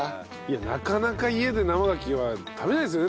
なかなか家で生ガキは食べられないですよね